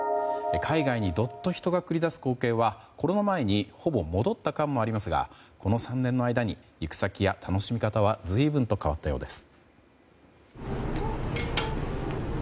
海外に、どっと人が繰り出す光景はコロナ前にほぼ戻った感もありますがこの３年の間に行く先や楽しみ方は随分と変わったようです。